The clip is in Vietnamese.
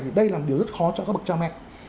thì đây là một điều rất khó cho các bậc cha mẹ